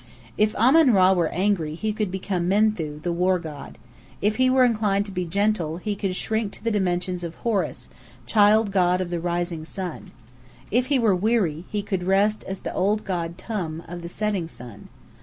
"If Amon Rã were angry he could become Menthu, the war god. If he were inclined to be gentle, he could shrink to the dimensions of Horus, child god of the Rising Sun. If he were weary, he could rest as the old god Tum, of the Setting Sun.